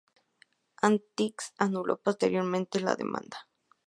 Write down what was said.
Atkins anuló posteriormente la demanda.